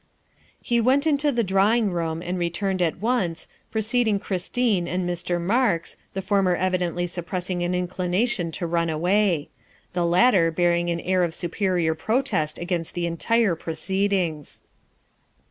He went into the drawing room and returned at once, preceding Christine and Mr. Marks, the former evi dently suppressing an inclination to run away; the latter wearing an air of superior protest against the entire proceedings.